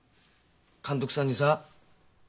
監督さんにさぁ。